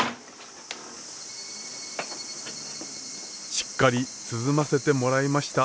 しっかり涼ませてもらいました。